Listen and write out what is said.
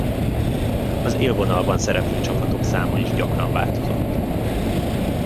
Az élvonalban szereplő csapatok száma is gyakran változott.